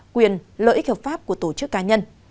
quyền lợi ích hợp pháp của tổ chức cá nhân